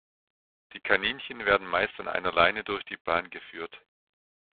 Die Kaninchen werden meist an einer Leine durch die Bahn geführt.